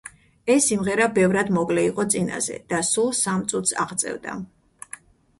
ეს სიმღერა ბევრად მოკლე იყო წინაზე და სულ სამ წუთს აღწევდა.